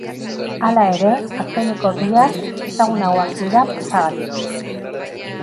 Hala ere, azkeneko biak ezagunagoak dira prosagatik.